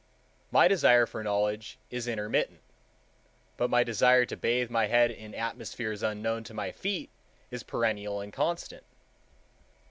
My desire for knowledge is intermittent, but my desire to bathe my head in atmospheres unknown to my feet is perennial and constant.